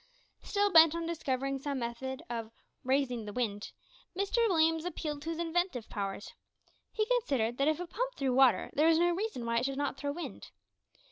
Still bent on discovering some method of "raising the wind," Mr Williams appealed to his inventive powers. He considered that if a pump threw water, there was no reason why it should not throw wind.